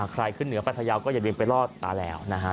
ขึ้นเหนือปัทยาก็อย่าลืมไปรอดตาแล้วนะฮะ